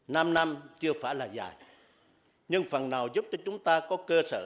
năm năm chưa phải là dài nhưng phần nào giúp cho chúng ta có cơ sở